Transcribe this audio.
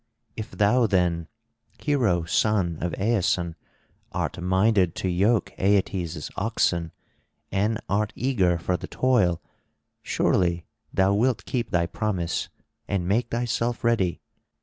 If thou then, hero son of Aeson, art minded to yoke Aeetes' oxen, and art eager for the toil, surely thou wilt keep thy promise and make thyself ready.